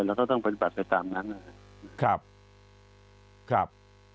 เราก็ต้องปฏิบัติไปตามนั้นนะครับ